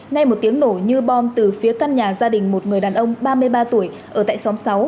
ngay một tiếng nổ như bom từ phía căn nhà gia đình một người đàn ông ba mươi ba tuổi ở tại xóm sáu